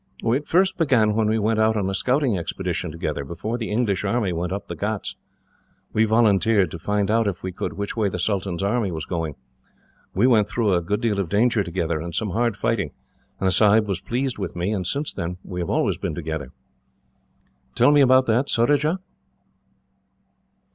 "It first began when we went out on a scouting expedition together, before the English army went up the ghauts. We volunteered to find out, if we could, which way the sultan's army was going. We went through a good deal of danger together, and some hard fighting, and the Sahib was pleased with me; and since then we have always been together." "Tell me about that, Surajah?"